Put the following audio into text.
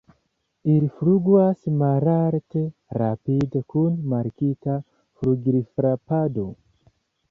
Ili flugas malalte, rapide, kun markita flugilfrapado.